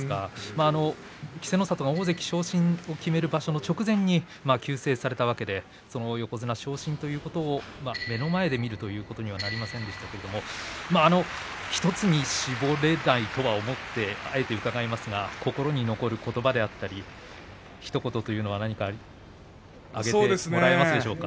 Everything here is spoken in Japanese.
稀勢の里が大関昇進を決める場所の直前に急逝されたわけで横綱昇進ということを目の前で見るということにはなりませんでしたけれども１つに絞れないと思ってあえて伺いますが心に残ることばだったりひと言というのは何か挙げてもらえますでしょうか。